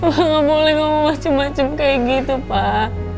om gak boleh ngomong macem macem kayak gitu pak